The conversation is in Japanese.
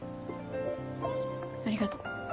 ありがと。